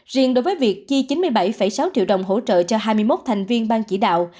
riêng đối với việc chi chín mươi bảy sáu triệu đồng hỗ trợ cho hai mươi một thành viên ban chỉ đạo